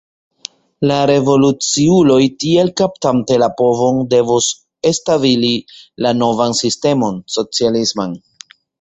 La revoluciuloj tiel kaptante la povon devus establi la novan sistemon, socialisman.